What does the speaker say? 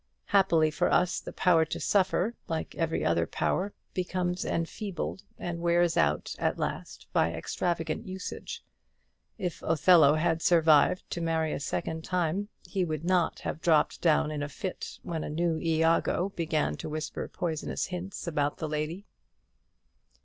Happily for us, the power to suffer, like every other power, becomes enfeebled and wears out at last by extravagant usage. If Othello had survived to marry a second time, he would not have dropped down in a fit when a new Iago began to whisper poisonous hints about the lady.